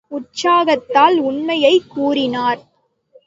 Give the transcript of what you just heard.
உற்சாகத்தால் உண்மையைக் கூறினார்!